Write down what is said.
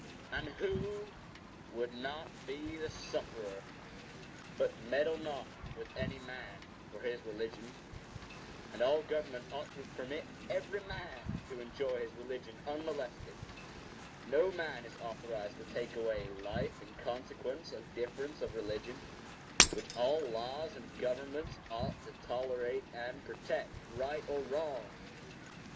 And who would not be the sufferer?1 The Privilege of Religious Freedom[edit] But meddle not with any man for his religion: and all governments ought to permit every man to enjoy his religion unmolested. No man is authorized to take away life in consequence of difference of religion, which all laws and governments ought to tolerate and protect, right or wrong.